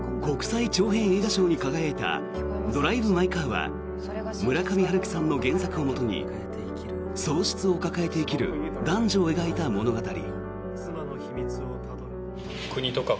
国際長編映画賞に輝いた「ドライブ・マイ・カー」は村上春樹さんの原作をもとに喪失を抱えて生きる男女を描いた物語。